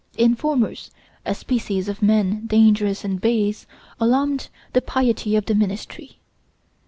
Informers, a species of men dangerous and base, alarmed the piety of the ministry.